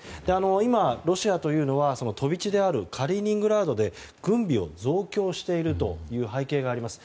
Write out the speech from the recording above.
今、ロシアというのは飛び地であるカリーニングラードで軍備を増強しているという背景があります。